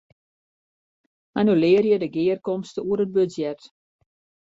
Annulearje de gearkomste oer it budzjet.